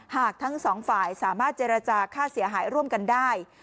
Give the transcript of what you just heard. หากทั้งสองฝ่ายสามารถเจรจาค่าเสียหายร่วมกันได้